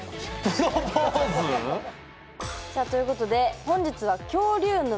プロポーズ⁉さあということで本日は「恐竜沼」。